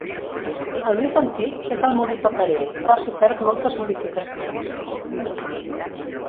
El més antic és el molí paperer però ha sofert moltes modificacions.